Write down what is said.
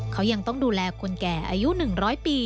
เขายังต้องดูแลคนแก่อายุ๑๐๐ปี